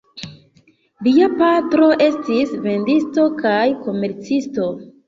Lia patro estis vendisto kaj komercisto.